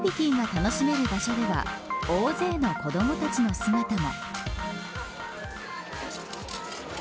さらにアクティビティーが楽しめる場所では大勢の子どもたちの姿も。